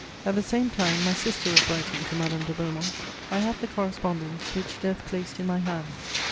At the same time my sister was writing to Madame de Beaumont. I have the correspondence, which death placed in my hands.